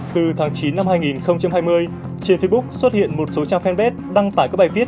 từ tháng chín năm hai nghìn hai mươi trên facebook xuất hiện một số trang fanpage đăng tải các bài viết